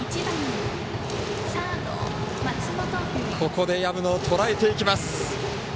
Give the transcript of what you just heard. ここで薮野をとらえていきます。